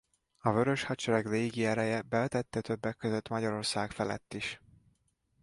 A Vörös Hadsereg légiereje bevetette többek között Magyarország felett is.